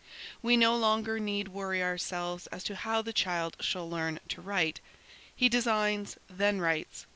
"We no longer need worry ourselves as to how the child shall learn to write: he designs, then writes.